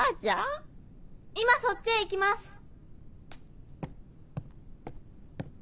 今そっちへ行きます。